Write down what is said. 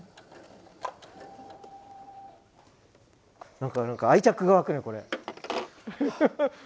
なんか愛着が湧くねこれ。